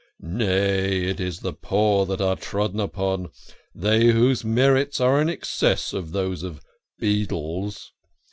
Nay, it is the poor that are trodden on they whose merits are in excess of those of beadles.